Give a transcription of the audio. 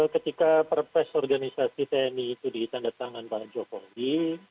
ketika perpes organisasi tni itu ditandatangan pak jokowi